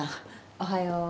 おはよう。